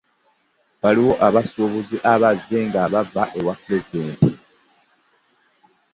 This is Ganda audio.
Waliwo abasuubuzi abazze nga bava wa Pulezidenti.